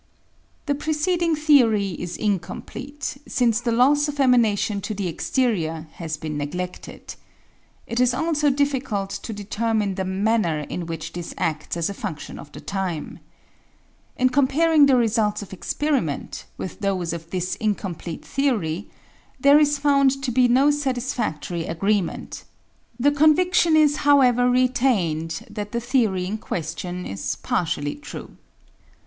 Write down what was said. The preceding theory is incomplete, since the loss of emanation to the exterior has been negledted. It is also difficult to determine the manner in which this acis as a fundlion of the time. In comparing the results of experi ment with those of this incomplete theory, there is found to be no satisfadlory agreement ; the convidtion is, how ever, retained that the theory in question is partially true.